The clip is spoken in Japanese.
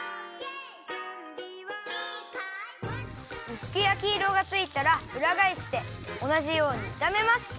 うすくやきいろがついたらうらがえしておなじようにいためます。